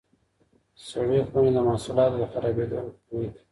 سړې خونې د محصولاتو له خرابېدو مخنیوی کوي.